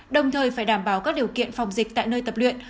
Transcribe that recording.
đồng thời phải đảm bảo các điều kiện phòng dịch tại nơi tập luyện